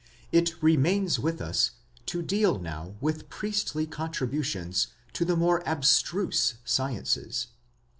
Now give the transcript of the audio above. It remains with us to deal now with priestly contributions to the more abstruse sciences.